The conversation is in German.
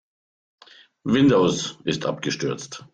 Windows ist abgestürzt.